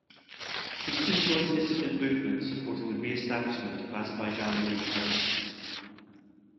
He soon joined dissident movement, supporting the re-establishment of Azebaijani independence.